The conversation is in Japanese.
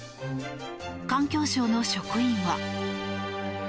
環境省の職員は。